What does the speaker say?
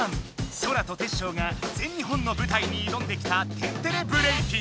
ソラとテッショウが全日本の舞台にいどんできた「天てれブレイキン」。